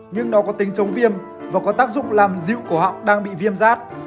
nhưng nó có tính chống viêm và có tác dụng làm dịu cổ họng đang bị viêm rát